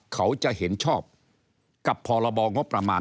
ก็จะมาจับทำเป็นพรบงบประมาณ